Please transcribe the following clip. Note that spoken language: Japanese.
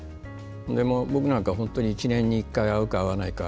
僕なんかは１年に１回会うか会わないか